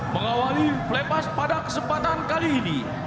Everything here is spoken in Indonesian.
mengawali flepas pada kesempatan kali ini